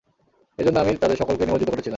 এ জন্য আমি তাদের সকলকেই নিমজ্জিত করেছিলাম।